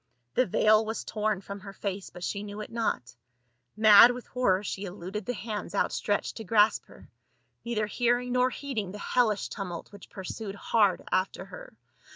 The veil was torn from her face, but she knew it not ; IN THE TEMPLE OF BAAL. 9© mad with horror, she eluded the hands outstretched to grasp her, neither hearing nor heeding the helHsh tumult which pursued hard after her.